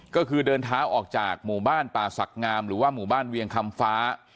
ก็คือเดินเท้าออกจากหมู่บ้านป่าศักดิ์งามหรือว่าหมู่บ้านเวียงคำฟ้า